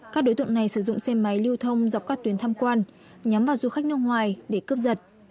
các đối tượng này sử dụng xe máy lưu thông dọc các tuyến tham quan nhắm vào du khách nước ngoài để cướp giật